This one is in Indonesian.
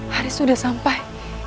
haris udah sampai